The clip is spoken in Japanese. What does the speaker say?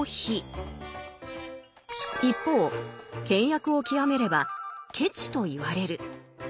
一方倹約を極めれば「ケチ」と言われる。